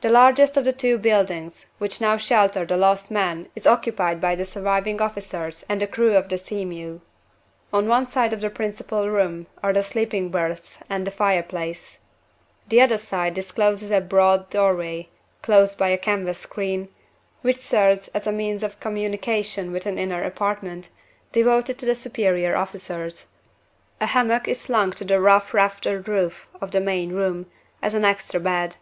The largest of the two buildings which now shelter the lost men is occupied by the surviving officers and crew of the Sea mew. On one side of the principal room are the sleeping berths and the fire place. The other side discloses a broad doorway (closed by a canvas screen), which serves as a means of communication with an inner apartment, devoted to the superior officers. A hammock is slung to the rough raftered roof of the main room, as an extra bed.